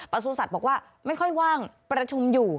ประสูจน์ศัตริย์บอกว่าไม่ค่อยว่างประชุมอยู่